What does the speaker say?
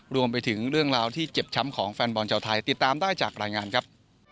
รวมไปถึงเรื่องราวที่เจ็บช้ำของแฟนบอลชาวไทยติดตามได้จากรายงานครับ